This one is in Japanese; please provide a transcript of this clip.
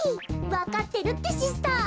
わかってるってシスター。